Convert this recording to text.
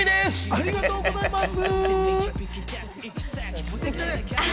ありがとうございます。